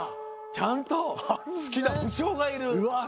ちゃんと好きな武将がいる！